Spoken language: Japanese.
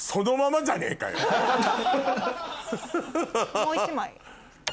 もう１枚。